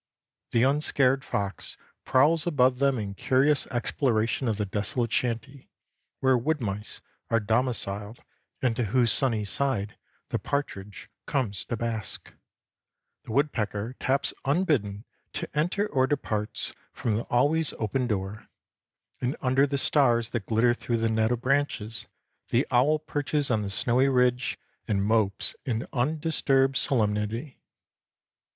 The unscared fox prowls above them in curious exploration of the desolate shanty, where wood mice are domiciled and to whose sunny side the partridge comes to bask; the woodpecker taps unbidden to enter or departs from the always open door; and under the stars that glitter through the net of branches the owl perches on the snowy ridge and mopes in undisturbed solemnity.